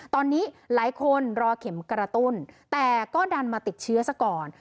ตอนนี้หลายคนรอเข็มกระตุ้นแต่ก็ดันมาติดเชื้อซะก่อน